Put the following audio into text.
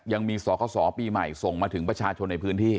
ยังมีศาสตร์กระสอบปีใหม่ส่งมาถึงประชาชนในพื้นที่